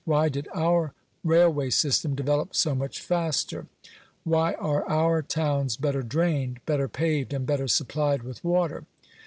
Why did our railway system develop so much faster ? Why are our towns better drained, better paved, and better supplied with water